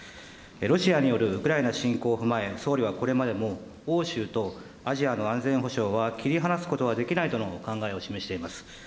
ロシアによるウクライナ侵攻を踏まえ、総理はこれまでも欧州とアジアの安全保障は切り離すことはできないとのお考えを示しています。